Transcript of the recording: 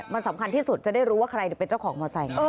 มันสำคัญที่สุดจะได้รู้ว่าใครเป็นเจ้าของมอไซค